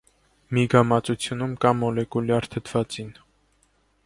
Միգամածությունում կա մոլեկուլյար թթվածին։